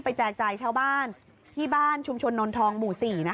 แจกจ่ายชาวบ้านที่บ้านชุมชนนนทองหมู่๔